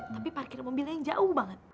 tapi parkir mobilnya yang jauh banget